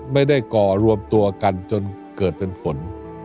ก่อรวมตัวกันจนเกิดเป็นฝน